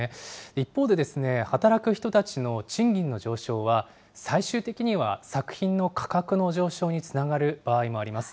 一方で、働く人たちの賃金の上昇は、最終的には作品の価格の上昇につながる場合もあります。